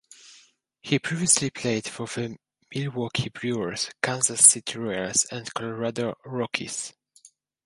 He previously played for the Milwaukee Brewers, Kansas City Royals and Colorado Rockies.